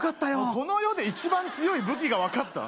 この世で一番強い武器が分かった？